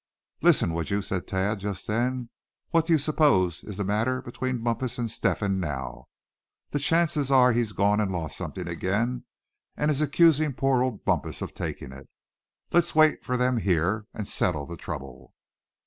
"Listen, would you?" said Thad, just then; "what do you suppose is the matter between Bumpus and Step hen now? The chances are he's gone and lost something again and is accusing poor old Bumpus of taking it. Let's wait for them here, and settle the trouble."